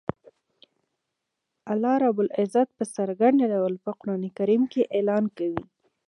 الله رب العزت په څرګند ډول په قران کریم کی اعلان کوی